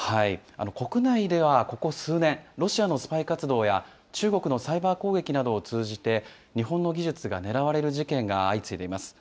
国内ではここ数年、ロシアのスパイ活動や中国のサイバー攻撃などを通じて、日本の技術が狙われる事件が相次いでいます。